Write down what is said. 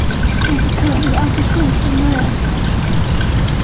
It is currently out of print and rare.